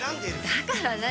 だから何？